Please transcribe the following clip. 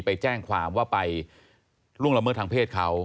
ไปแจ้งความว่าไปล่วงละเมิดทางเพศเขา